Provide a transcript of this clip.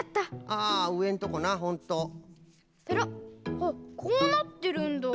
あっこうなってるんだ。